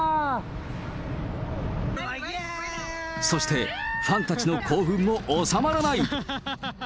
そして、ファンたちの興奮も収まらない。